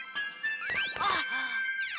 あっ。